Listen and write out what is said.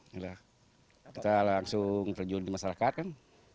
kita langsung terjun di masyarakat kan